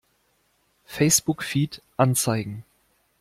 Facebook-Feed anzeigen!